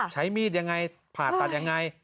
ใช้มีดยังไงผ่าตัดยังไง